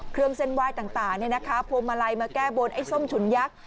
เครื่องเส้นไหว้ต่างต่านี่นะคะพ่อมาลัยมาแก้โบนไอ้ส้มฉุนยักษ์